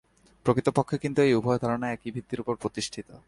প্রকৃতপক্ষে কিন্তু এই উভয় ধারণা একই ভিত্তির উপর প্রতিষ্ঠিত।